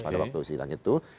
pada waktu silang itu